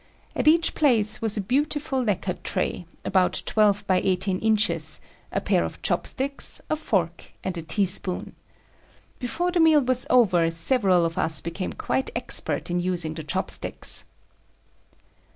At each place was a beautiful lacquer tray, about twelve by eighteen inches, a pair of chopsticks, a fork and a teaspoon. Before the meal was over several of us became quite expert in using the chopsticks.